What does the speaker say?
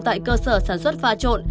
tại cơ sở sản xuất pha trộn